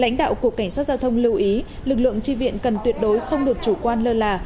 lãnh đạo cục cảnh sát giao thông lưu ý lực lượng tri viện cần tuyệt đối không được chủ quan lơ là